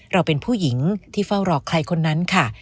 เราเป็นผู้หญิงที่เฝ้ารอใครคนนั้นค่ะ